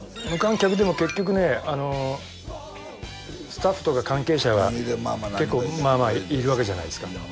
無観客でも結局ねスタッフとか関係者が結構まあまあいるわけじゃないですか。